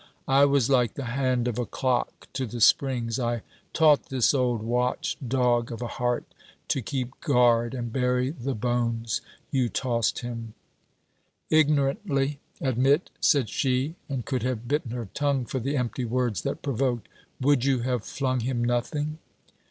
I was like the hand of a clock to the springs. I taught this old watch dog of a heart to keep guard and bury the bones you tossed him.' 'Ignorantly, admit,' said she, and could have bitten her tongue for the empty words that provoked: 'Would you have flung him nothing?'